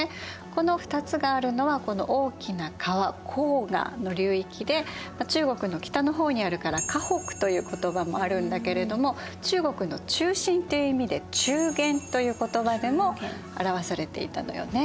この２つがあるのは大きな川黄河の流域で中国の北の方にあるから華北という言葉もあるんだけれども中国の中心という意味で中原という言葉でも表されていたのよね。